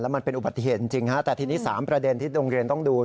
มันเป็นอุบัติเหตุจริงฮะแต่ทีนี้๓ประเด็นที่โรงเรียนต้องดู